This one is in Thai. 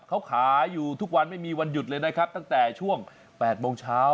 เขาขายอยู่ทุกวันไม่มีวันหยุดเลยนะครับตั้งแต่ช่วง๘โมงเช้า